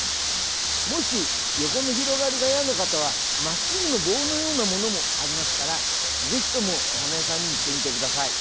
もし、横の広がりがいやな方はまっすぐの棒のようなものもありますからぜひとも、お花屋さんに行ってみてください。